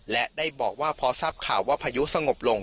และได้บอกว่าพอทราบข่าวว่าพายุสงบลง